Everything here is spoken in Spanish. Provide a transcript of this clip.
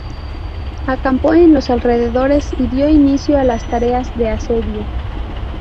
Acampó en los alrededores y dio inicio a las tareas de asedio.